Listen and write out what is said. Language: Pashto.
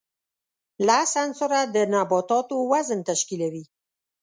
لس عنصره د نباتاتو وزن تشکیلوي.